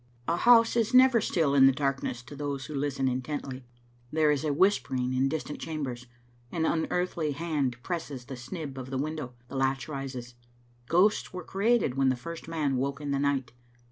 A house is never still in darkness to those who listen intently; there is a whispering in distant chambers, an unearthly hand presses the snib of the window, the latch rises. Ghosts were created when the first man woke in the night.